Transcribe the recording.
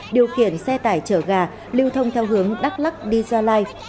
điều khiển xe tải chở gà lưu thông theo hướng đắk lắc đi gia lai